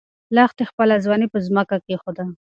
لښتې خپله ځولۍ په ځمکه کېښوده.